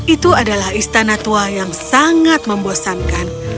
itu adalah istana tua yang sangat membosankan